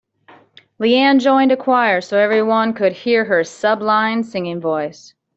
Leanne joined a choir so everyone could hear her sublime singing voice.